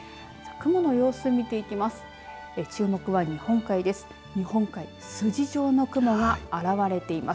雲の様子を見ていきます。